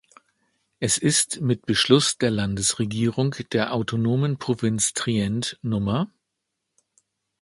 Es ist mit Beschluss der Landesregierung der Autonomen Provinz Trient Nr.